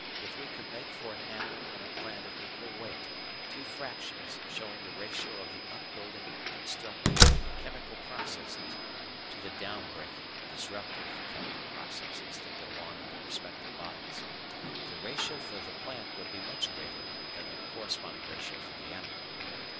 If we could make for an animal and a plant of equal weight two fractions showing the ratio of the upbuilding, constructive, chemical processes to the down breaking, disruptive, chemical processes that go on in their respective bodies, the ratio for the plant would be much greater than the corresponding ratio for the animal.